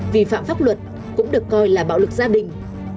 vi phạm pháp luật cũng được coi là bạo lực gia đình